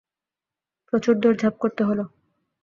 প্রচুর দৌড়ঝাঁপ করতে হলো।